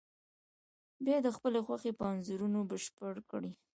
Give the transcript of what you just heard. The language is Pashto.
بیا یې د خپلې خوښې په انځورونو بشپړ کړئ.